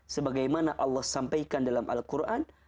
sebagaimana allah sampaikan dalam al quran